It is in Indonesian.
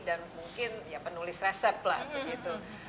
dan mungkin penulis resep lah begitu